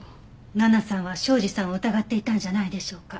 奈々さんは庄司さんを疑っていたんじゃないでしょうか。